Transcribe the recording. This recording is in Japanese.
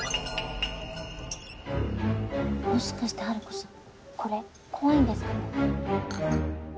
もしかしてハルコさんこれ怖いんですかね？